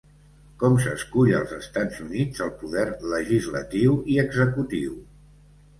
Com s'escull als Estats Units el poder legislatiu i executiu?